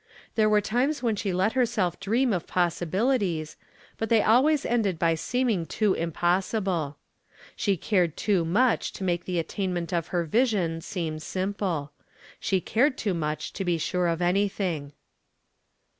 There were times when she let herself dream of possibilities, but they always ended by seeming too impossible. She cared too much to make the attainment of her vision seem simple. She cared too much to be sure of anything.